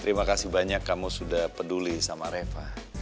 terima kasih banyak kamu sudah peduli sama reva